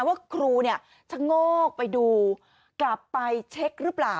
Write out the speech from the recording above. ว่าครูเนี่ยชะโงกไปดูกลับไปเช็คหรือเปล่า